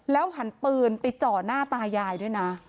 หันปืนไปจ่อหน้าตายายด้วยนะ